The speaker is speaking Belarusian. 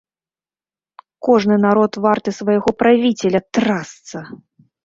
Кожны народ варты свайго правіцеля, трасца!